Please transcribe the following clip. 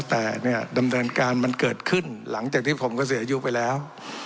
แต่เนี่ยดำเนินการมันเกิดขึ้นหลังจากที่ผมก็เสียอายุไปแล้ว